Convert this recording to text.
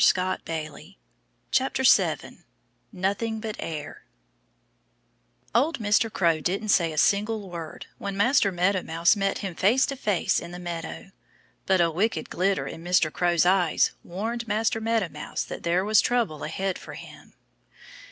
7 Nothing but Air OLD Mr. Crow didn't say a single word when Master Meadow Mouse met him face to face in the meadow. But a wicked glitter in Mr. Crow's eyes warned Master Meadow Mouse that there was trouble ahead for him.